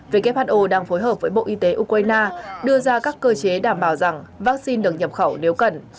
who đang phối hợp với bộ y tế ukraine đưa ra các cơ chế đảm bảo rằng vaccine được nhập khẩu nếu cần